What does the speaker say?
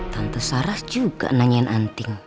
tante sarah juga nanyain anting